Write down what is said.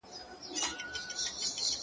چي هر يو به سو راستون له خياطانو؛